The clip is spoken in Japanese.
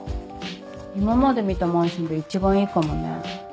今まで見たマンションで一番いいかもね。